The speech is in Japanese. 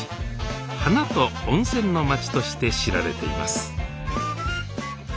「花と温泉の町」として知られています